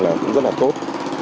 là cũng rất là tốt